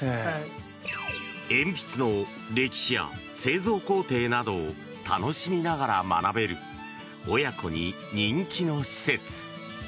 鉛筆の歴史や製造工程などを楽しみながら学べる親子に人気の施設。